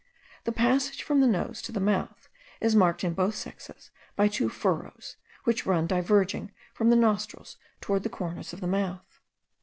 The passage from the nose to the mouth is marked in both sexes by two furrows, which run diverging from the nostrils towards the corners of the mouth.